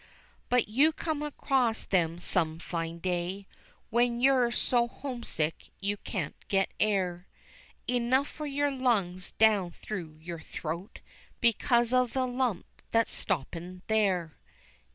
But you come across them some fine day When you're so homesick you can't get air Enough for your lungs down through your throat, Because of the lump that's stoppin' there.